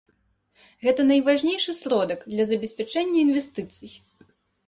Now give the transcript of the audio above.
Гэта найважнейшы сродак для забеспячэння інвестыцый.